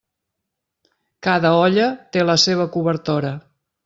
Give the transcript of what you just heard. Cada olla té la seua cobertora.